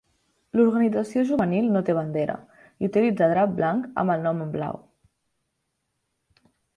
L'organització juvenil no té bandera, i utilitza drap blanc amb el nom en blau.